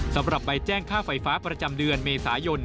สำหรับใบแจ้งค่าไฟฟ้าประจำเดือนเมษายน